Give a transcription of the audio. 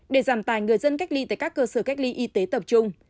để giảm tài người dân cách ly tại các cơ sở cách ly y tế tập trung